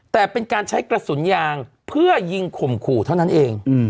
แต่เป็นการใช้กระสุนยางเพื่อยิงข่มขู่เท่านั้นเอง